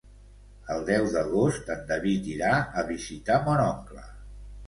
El deu d'agost en David irà a visitar mon oncle.